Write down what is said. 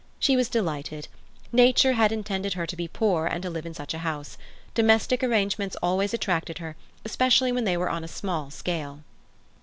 She was delighted. Nature had intended her to be poor and to live in such a house. Domestic arrangements always attracted her, especially when they were on a small scale.